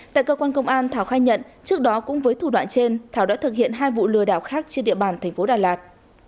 tại cơ quan công an thảo khai nhận trước đó cũng với thủ đoạn trên thảo đã thực hiện hai vụ lừa đảo khác trên địa bàn thành phố đà lạt